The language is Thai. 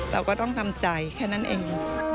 เราก็ต้องทำใจแค่นั้นเอง